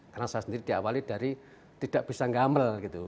karena saya sendiri diawali dari tidak bisa gamel gitu